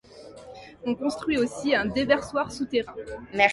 On construit aussi un déversoir souterrain.